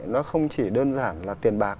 nó không chỉ đơn giản là tiền bạc